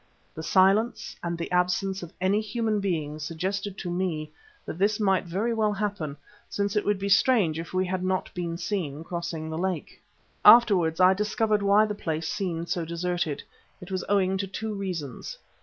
The silence and the absence of any human beings suggested to me that this might very well happen, since it would be strange if we had not been seen crossing the lake. Afterwards I discovered why the place seemed so deserted. It was owing to two reasons.